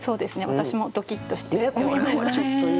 私もドキッとして読みました。